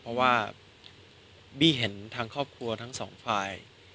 เพราะว่าบี้เห็นทางครอบครัวทั้งสองฝ่าย